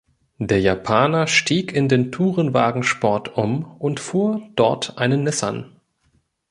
Der Japaner stieg in den Tourenwagensport um und fuhr dort einen Nissan.